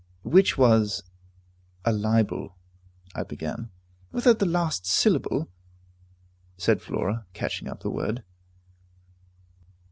"Which was a libel " I began. "Without the last syllable," said Flora, catching up the word.